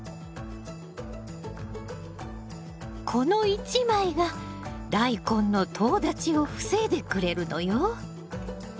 この一枚がダイコンのとう立ちを防いでくれるのよ！